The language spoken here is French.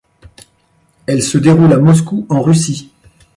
Elle se déroule à Moscou en Russie.